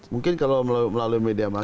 mungkin kalau melalui media